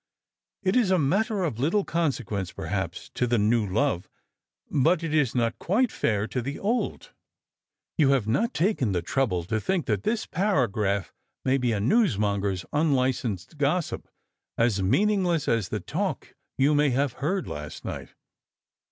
It is a matter of little consequence, i:)erhap8, to the new love; but it is not quite fair to the old." " You have not taken the trouble to think that this para ^aph might be a newsmonger's unlicensed gossip, as meaning less as the talk you may have heard last night."